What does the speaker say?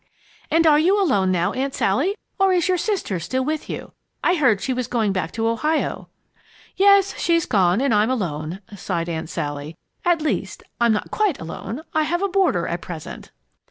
"And are you alone now, Aunt Sally, or is your sister still with you? I heard she was going back to Ohio." "Yes, she's gone and I'm alone," sighed Aunt Sally; "at least, I'm not quite alone. I have a boarder at present."